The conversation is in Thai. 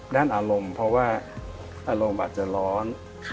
อารมณ์เพราะว่าอารมณ์อาจจะร้อน